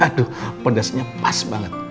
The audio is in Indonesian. aduh pedasnya pas banget